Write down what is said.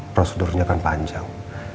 prosedurnya kan panjang